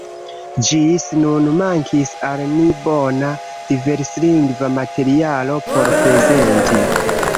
Ĝis nun mankis al ni bona diverslingva materialo por prezenti.